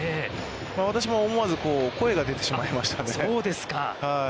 私も思わず、声が出てしまいましたね。